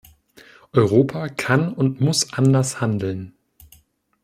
Europa kann und muss anders handeln.